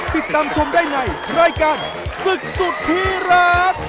ติดตามชมได้ในรายการศึกสุดที่รัก